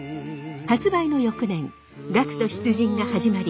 発売の翌年学徒出陣が始まり